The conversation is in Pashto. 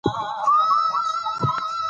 په انګرېزي فلمونو کښې د پښتني ژوند